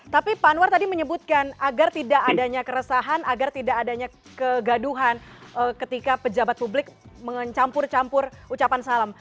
tapi pak anwar tadi menyebutkan agar tidak adanya keresahan agar tidak adanya kegaduhan ketika pejabat publik mencampur campur ucapan salam